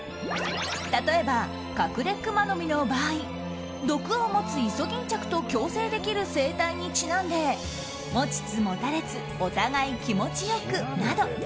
例えば、カクレクマノミの場合毒を持つイソギンチャクと共生できる生態にちなんで持ちつ持たれつお互い気持ちよくなど。